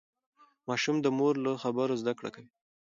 ماشوم د مور له خبرو زده کړه کوي.